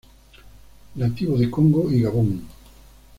Nativo de Congo y Gabón.